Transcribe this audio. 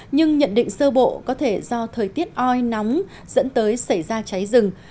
nhưng nhận định sơ bộ có thể do thời tiết oi nóng dẫn tới xảy ra cháy rừng